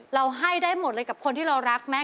เราให้ได้หมดเลยกับคนที่เรารักแม่